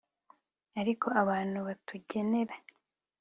ariko abantu batugenera